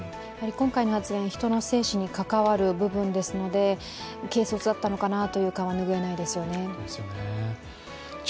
今回の発言、人の生死に関わる部分ですので、軽率だったのかなという感は拭えないですよね。